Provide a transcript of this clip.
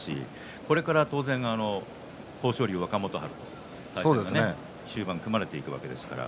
これから当然豊昇龍、若元春との対戦終盤組まれてくるわけです。